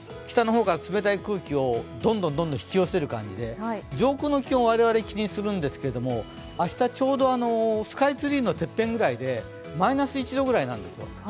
北の方から冷たい空気をどんどん引き寄せる感じで上空の気温を我々は気にするんですけど、明日はちょうどスカイツリーのてっぺんぐらいでマイナス１度ぐらいなんですよ。